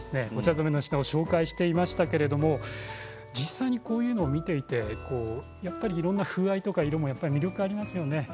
染めの品物を紹介していましたけれども実際に見ていていろいろな風合いとか色とか魅力がありますよね。